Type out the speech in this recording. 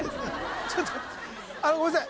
ちょっとあのごめんなさい